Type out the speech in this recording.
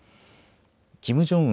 キム・ジョンウン